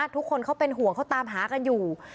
ทุกคนเขาเป็นห่วงเขาตามหากันอยู่